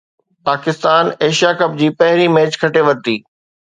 Pakistan Asia cup جي پهرين match کٽي ورتي